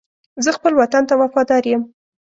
زه خپل وطن ته وفادار یم.